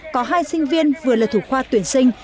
có hai sinh viên vừa là thủ khoa tuyển sinh